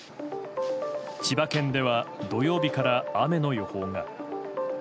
千葉県では土曜日から雨の予報が。